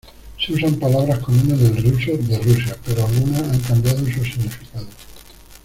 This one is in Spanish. Se usan palabras comunes del ruso de Rusia, pero algunas han cambiado su significado.